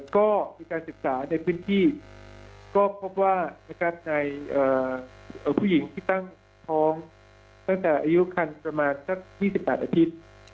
ก็มีการศึกษาในพื้นที่ก็พบว่าในผู้หญิงที่ตั้งท้องตั้งแต่อายุคันประมาณสัก๒๘อาทิตย์